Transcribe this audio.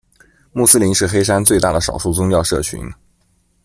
穆斯林是黑山最大的少数宗教社群。